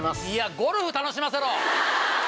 ゴルフ楽しませろ！